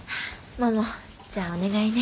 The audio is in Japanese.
ももじゃあお願いね。